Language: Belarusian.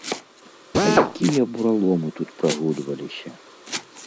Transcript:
А якія бураломы тут прагульваліся!